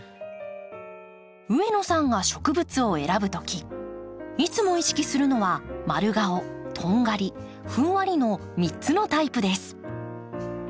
上野さんが植物を選ぶときいつも意識するのは「まるがお」「とんがり」「ふんわり」の３つのタイプです。